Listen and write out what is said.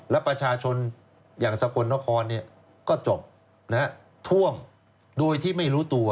และประชาชนอย่างสกลนครก็จบท่วมโดยที่ไม่รู้ตัว